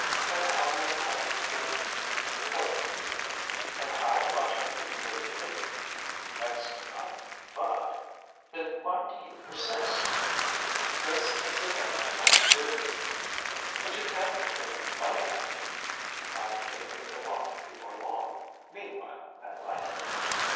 "And how many have you written?" "Quite a few." "And how much have you made at it?" "Next to nothing, but " "Then why do you persist?" "Because it's the thing I want to do." "But you can't make any money at it " "I may make a lot before long. Meanwhile, I like it."